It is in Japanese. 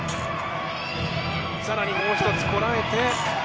さらにもう一つこらえて。